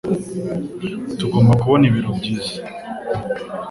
Tugomba kubona ibiro byiza.